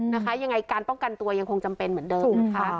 ยังไงการป้องกันตัวยังคงจำเป็นเหมือนเดิมนะคะ